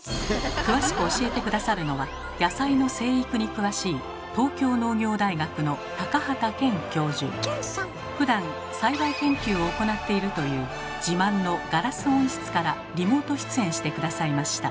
詳しく教えて下さるのは野菜の生育に詳しいふだん栽培研究を行っているという自慢のガラス温室からリモート出演して下さいました。